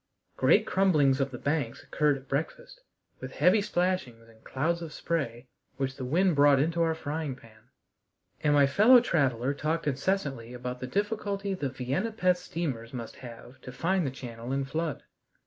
Great crumblings of the banks occurred at breakfast, with heavy splashings and clouds of spray which the wind brought into our frying pan, and my fellow traveler talked incessantly about the difficulty the Vienna Pesth steamers must have to find the channel in flood.